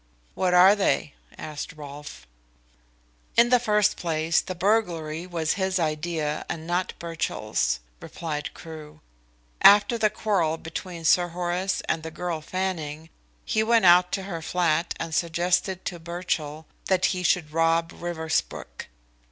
"What are they?" asked Rolfe. "In the first place the burglary was his idea, and not Birchill's," replied Crewe. "After the quarrel between Sir Horace and the girl Fanning, he went out to her flat and suggested to Birchill that he should rob Riversbrook.